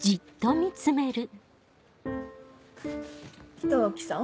北脇さん？